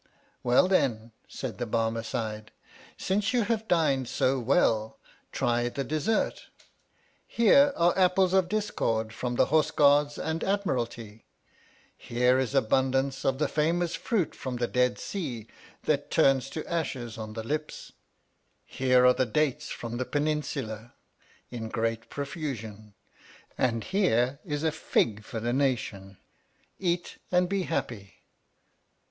Well then, said the Barmecide, since you have dined so well, try the dessert. Here are apples of discord from the Horse Guards and Admiralty, here is abundance of the famous fruit from the Dead Sea that turns to ashes on the lips, here are dates from the Penin sula in great profusion, and here is a fig for the nation. Eat and be happy